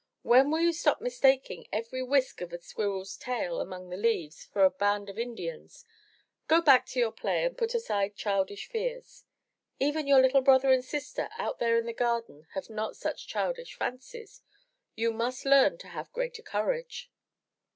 When will you stop mistaking every whisk of a squirrel's tail among the leaves, for a band of Indians? Go back to your play and put aside childish fears. Even your little brother and sister, out there in the garden, have not such childish fancies. You must learn to have greater courage."